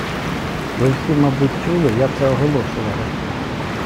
Ви всі, мабуть, чули, я це оголошувала!